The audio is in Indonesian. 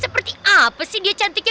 seperti apa sih dia cantiknya